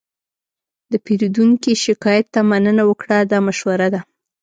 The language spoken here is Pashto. د پیرودونکي شکایت ته مننه وکړه، دا مشوره ده.